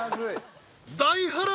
大波乱